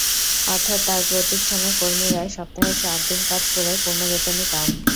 অর্থাৎ তাঁর প্রতিষ্ঠানের কর্মীরা সপ্তাহে চার দিন কাজ করে পূর্ণ বেতনই পান।